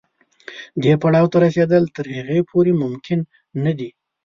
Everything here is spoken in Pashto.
دې پړاو ته رسېدل تر هغې پورې ممکن نه دي.